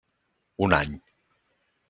Un any.